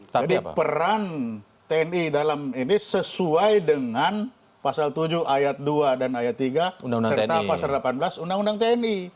jadi peran tni dalam ini sesuai dengan pasal tujuh ayat dua dan ayat tiga serta pasal delapan belas undang undang tni